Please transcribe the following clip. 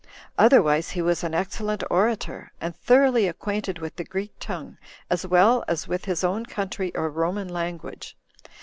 Otherwise he was an excellent orator, and thoroughly acquainted with the Greek tongue, as well as with his own country or Roman language.